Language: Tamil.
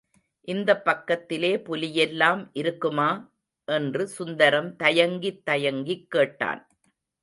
இந்தப் பக்கத்திலே புலியெல்லாம் இருக்குமா? என்று சுந்தரம் தயங்கித் தயங்கிக் கேட்டான்.